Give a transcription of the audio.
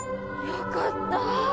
よかった。